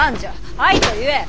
はいと言え。